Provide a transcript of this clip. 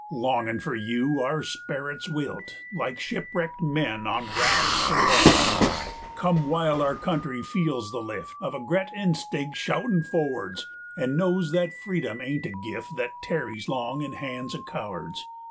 Longin' for you, our sperits wilt Like shipwrecked men's on raf's for water. 160 Come, while our country feels the lift Of a gret instinct shoutin' forwards, An' knows thet freedom ain't a gift Thet tarries long in han's o' cowards!